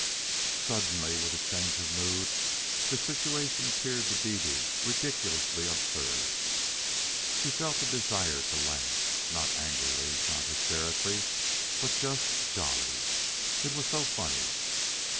Suddenly, with a change of mood, the situation appeared to Dede ridiculously absurd. She felt a desire to laugh not angrily, not hysterically, but just jolly. It was so funny.